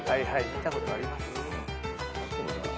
見たことあります。